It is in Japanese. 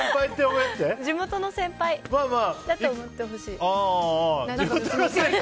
地元の先輩だと思ってほしい。